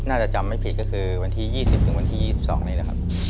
น่าจะจำไม่ผิดก็คือวันที่๒๐๒๒นี้นะครับ